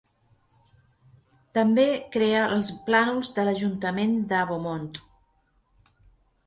També crea els plànols de l'Ajuntament de Beaumont.